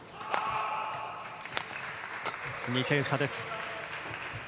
２点差です。